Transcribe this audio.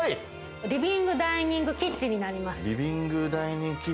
リビングダイニングキッチンになります。